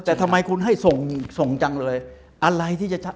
แต่ทำไมคุณให้ส่งจังเลย